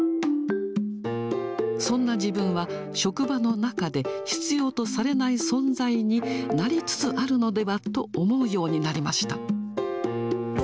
そんな自分は職場の中で必要とされない存在になりつつあるのではと思うようになりました。